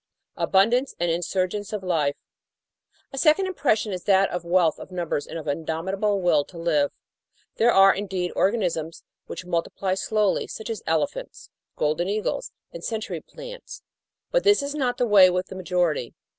Abundance and Insurgence of Life A second impression is that of wealth of numbers and of indomitable will to live. There are, indeed, organisms which multiply slowly, such as elephants, golden eagles, and century plants, but this is not the way with the majority.